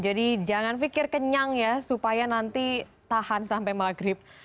jadi jangan pikir kenyang ya supaya nanti tahan sampai maghrib